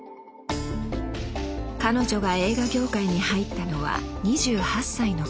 彼女が映画業界に入ったのは２８歳の頃。